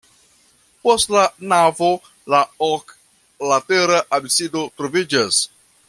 Post la navo la oklatera absido troviĝas.